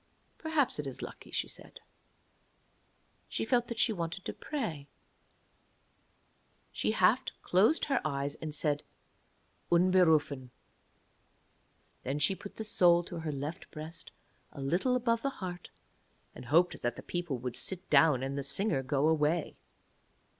'Perhaps it is lucky,' she said. She felt that she wanted to pray. She half closed her eyes, and said 'Unberufen'. Then she put the soul to her left breast a little above the heart, and hoped that the people would sit down and the singer go away.